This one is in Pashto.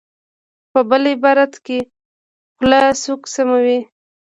په بل عبارت، کږه خوله سوک سموي.